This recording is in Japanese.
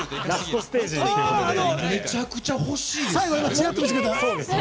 めちゃくちゃ欲しいですよ！